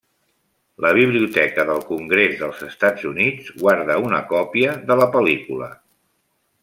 La Biblioteca del Congrés dels Estats Units guarda una còpia de la pel·lícula.